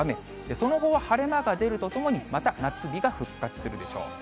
その後は晴れ間が出るとともに、また夏日が復活するでしょう。